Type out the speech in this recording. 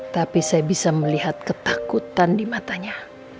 tapi saya bisa melihat ketakutan di matanya